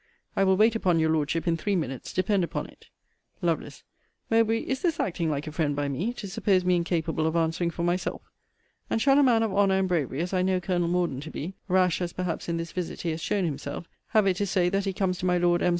I will wait upon your Lordship in three minutes, depend upon it. Lovel. Mowbray, is this acting like a friend by me, to suppose me incapable of answering for myself? And shall a man of honour and bravery, as I know Colonel Morden to be, (rash as perhaps in this visit he has shown himself,) have it to say, that he comes to my Lord M.'